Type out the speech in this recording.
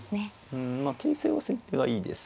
うんまあ形勢は先手がいいです。